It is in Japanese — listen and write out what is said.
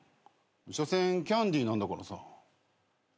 しょせんキャンディーなんだからさ。